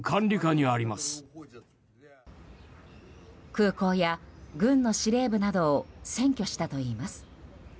空港や軍の司令部などを占拠したといいます。